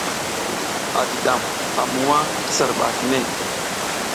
A jiɗam a muwa ti sar ɓa kine.